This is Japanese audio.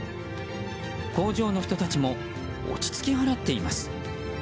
工場の人たちも落ち着き払っています。